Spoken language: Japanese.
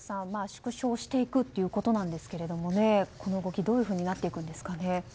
縮小していくということですがこの動きどうなっていくんですかね。